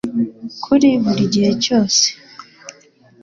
Kuri buri gihe cyose